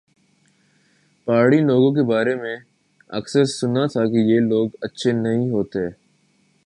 پہاڑی لوگوں کے بارے میں اکثر سنا تھا کہ یہ لوگ اچھے نہیں ہوتے